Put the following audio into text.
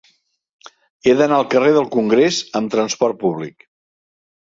He d'anar al carrer del Congrés amb trasport públic.